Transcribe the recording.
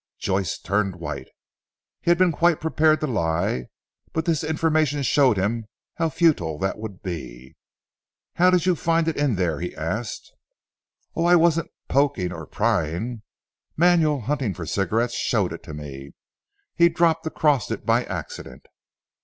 Joyce turned white. He had been quite prepared to lie, but this information showed him how futile that would be. "How did you find it in there?" he asked. "Oh, I wasn't poking and prying. Manuel hunting for cigarettes showed it to me. He dropped across it by accident."